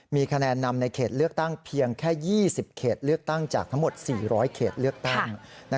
มีคะแนนนำในเขตเลือกตั้งเพียงแค่๒๐เขตเลือกตั้งจากทั้งหมด๔๐๐เขตเลือกตั้ง